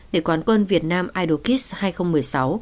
để quán quân việt nam idol kids hai nghìn một mươi sáu